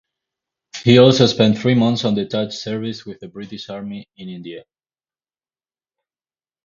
He also spent three months on detached service with the British Army in India.